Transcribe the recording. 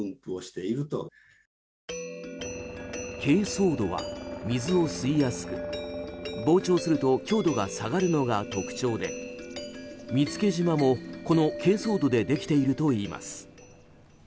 珪藻土は水を吸いやすく膨張すると強度が下がるのが特徴で見附島も、この珪藻土でできているといいます。